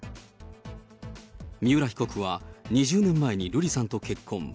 三浦被告は２０年前に瑠麗さんと結婚。